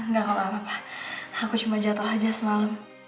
gak apa apa aku cuma jatoh aja semalam